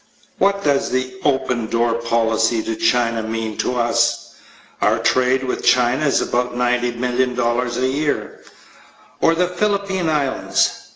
What does the "open door" policy to China mean to us? Our trade with China is about $90,000,000 a year. Or the Philippine Islands?